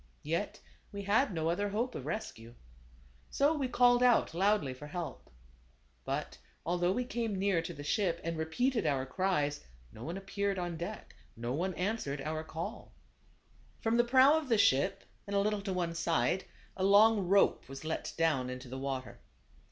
Yet we had no other hope of rescue. So we called out loudly for help. But, although we came near to the ship, and repeated our cries, no one appeared on deck ; no one answered our call. From the prow of the ship, and a little to one side, a long rope was let down into the water.